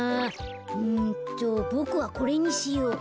うんとボクはこれにしよう。